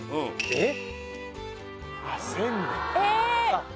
えっ！